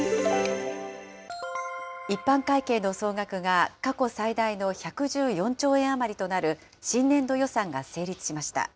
一般会計の総額が、過去最大の１１４兆円余りとなる新年度予算が成立しました。